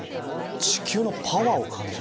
地球のパワーを感じるね。